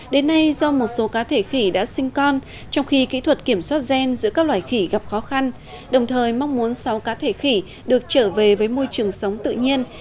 đến nay do một số cá thể khỉ đã sinh con trong khi kỹ thuật kiểm soát gen giữa các loài khỉ gặp khó khăn đồng thời mong muốn sáu cá thể khỉ được trở về với môi trường sống tự nhiên